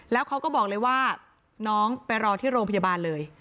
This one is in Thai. แล้วเขาก็บอกเลยว่าน้องไปรอที่โรงพยาบาลเลย